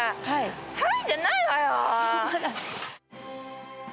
はいじゃないわよ。